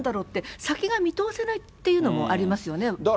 って、先が見通せないっていうのもありますよね。